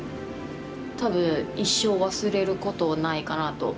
多分一生忘れることないかなと。